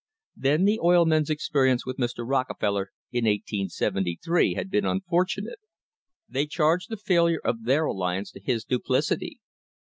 Then the oil men's experience with Mr. Rockefeller in 1873 na d been unfor tunate. They charged the failure of their alliance to his duplicity.